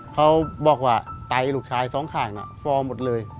เขาบอกว่าไตลูกชายสองข้างน่ะฟอร์มหมดเลย